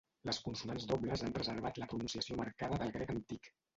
Les consonants dobles han preservat la pronunciació marcada del grec antic.